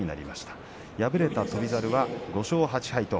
敗れた翔猿５勝８敗。